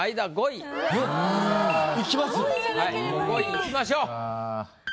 ５位いきましょう。